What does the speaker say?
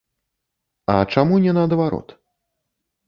А чаму не наадварот?